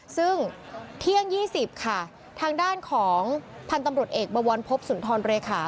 ซึ่งเที่ยง๒๐ค่ะทางด้านของพันธุ์ตำรวจเอกบวรพบสุนทรเลขา